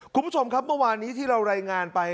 คุณผู้ชมครับเมื่อวานนี้ที่เรารายงานไป